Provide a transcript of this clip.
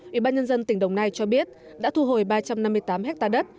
ủy ban nhân dân tỉnh đồng nai cho biết đã thu hồi ba trăm năm mươi tám ha đất